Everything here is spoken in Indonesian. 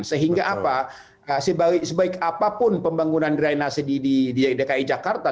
sehingga apa sebaik apapun pembangunan drainase di dki jakarta